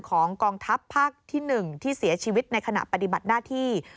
กองทัพภาคที่๑ที่เสียชีวิตในขณะปฏิบัติหน้าที่